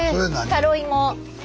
タロイモ。